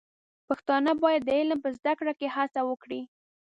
پښتانه بايد د علم په زده کړه کې هڅه وکړي.